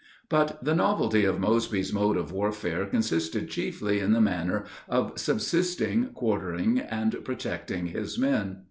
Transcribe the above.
But the novelty of Mosby's mode of warfare consisted chiefly in the manner of subsisting, quartering and protecting his men.